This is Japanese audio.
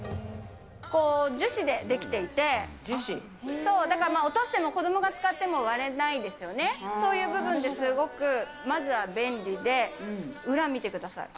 樹脂で出来ていて、だから、落としても、子どもが使っても割れないですしね、という部分ですごくまずは便利で、裏見てください。